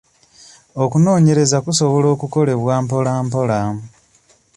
Okunoonyeraza kusobola okukolebwa mpola mpola.